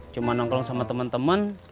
cuma nongkrong sama temen temen